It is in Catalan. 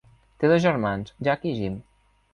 Té dos germans, Jack i Jim.